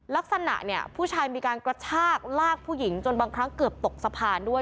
ลักษณะเนี่ยผู้ชายมีการกระชากลากผู้หญิงจนบางครั้งเกือบตกสะพานด้วย